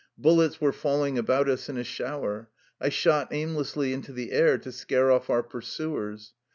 Bullets were falling about us in a shower. I shot aimlessly into the air, to scare off our pursuers.